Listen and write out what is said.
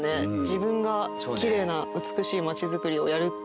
自分がきれいな美しい街づくりをやるっていう。